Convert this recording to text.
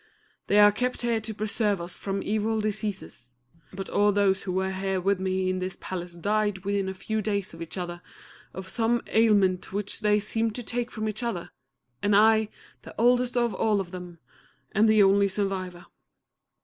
They are kept here to preserve us from evil diseases; but all those who were here with me in this palace died within a few days of each other, of some ailment which they seemed to take from each other, and I, the oldest of all of them, am the only survivor.